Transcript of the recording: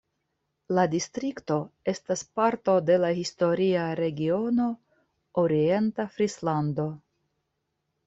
La distrikto estas parto de la historia regiono Orienta Frislando.